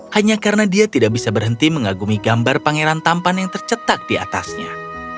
hanya karena dia tidak bisa berhenti mengagumi gambar pangeran tampan yang tercetak di atasnya